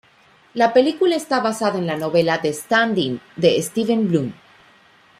La película está basada en la novela ""The Stand-In"" de Steven Bloom.